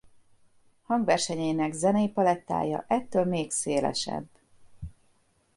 Hangversenyeinek zenei palettája ettől még szélesebb.